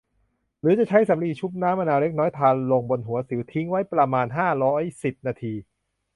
หรือจะใช้สำลีชุบน้ำมะนาวเล็กน้อยทาลงบนหัวสิว ทิ้งไว้ประมาณ ห้าร้อยสิบ นาที